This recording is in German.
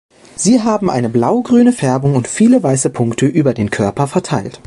Sie haben eine blaugrüne Färbung und viele weiße Punkte über den Körper verteilt.